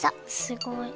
すごい！